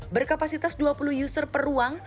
berkapasitas dua puluh user per ruang